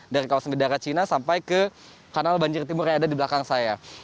dari kawasan gedera cina sampai ke kanal banjir timur yang ada di belakang saya